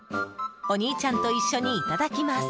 お兄ちゃんと一緒にいただきます。